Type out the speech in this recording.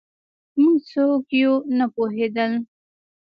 موږ څوک یو نه پوهېدل